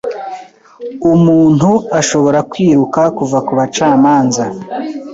umuntu ashobora kwiruka kuva kubacamanza